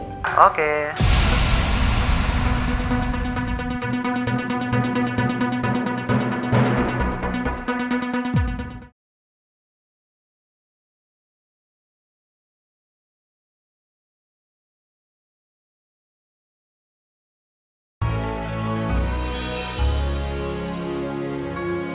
terima kasih udah nonton